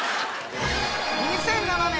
２００７年